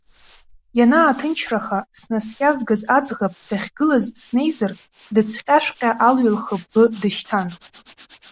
Ианааҭынчраха, снаскьазгаз аӡӷаб дахьгылаз снеизар, дыцҟьашәҟьа, алҩа лхылббы дышьҭан.